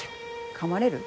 かまれる？